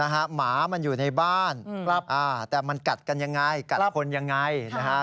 หมามันอยู่ในบ้านแต่มันกัดกันยังไงกัดคนยังไงนะฮะ